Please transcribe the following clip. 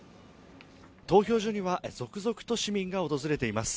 投票所には続々と市民が訪れています。